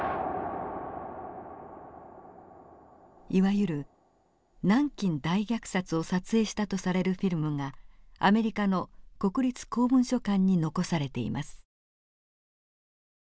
いわゆる南京大虐殺を撮影したとされるフィルムがアメリカの国立公文書館に残されています。